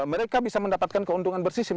mereka bisa mendapatkan keuntungan bersih